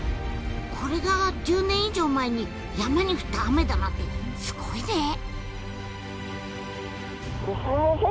これが１０年以上前に山に降った雨だなんてすごいね！